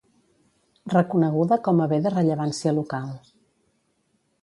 Reconeguda com a Bé de Rellevància Local.